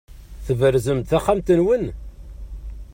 Tberzem-d taxxamt-nwen?